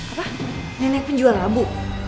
apa nenek penjual labu